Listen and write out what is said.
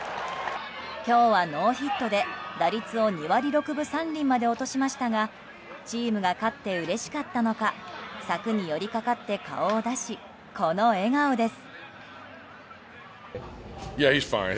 今日はノーヒットで打率を２割６分３厘まで落としましたがチームが勝ってうれしかったのか柵に寄りかかって顔を出しこの笑顔です。